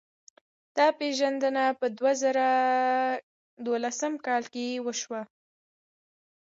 دا پېژندنه په دوه زره دولسم کال کې وشوه.